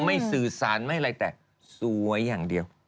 สื่อสารไม่อะไรแต่สวยอย่างเดียว